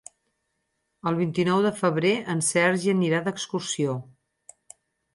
El vint-i-nou de febrer en Sergi anirà d'excursió.